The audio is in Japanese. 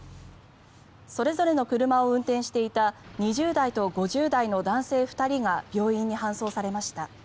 それぞれの車を運転していた２０代と５０代の男性２人が病院に搬送されました。